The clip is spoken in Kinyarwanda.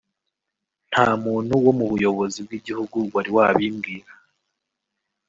nta muntu wo mu buyobozi bw’igihugu wari wabimbwira”